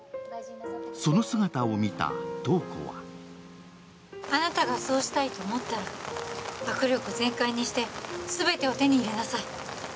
その姿を見た瞳子はあなたがそうしたいと思ったら握力全開にして全てを手に入れなさい。